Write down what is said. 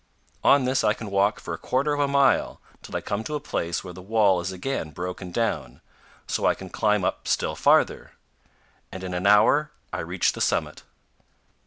On this I can walk for a quarter of a mile, till I come to a place where the wall is again broken down, so I can climb up still farther; and in an hour I reach the summit.